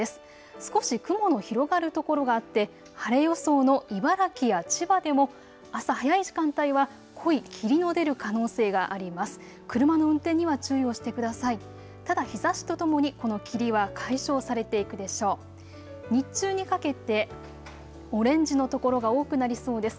少し雲の広がる所があって晴れ予想の茨城や千葉でも朝早い時間帯は濃い霧の出る可能性があります。